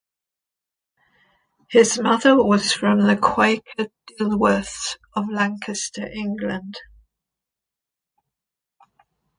His mother was from the Quaker Dilworths of Lancaster, England.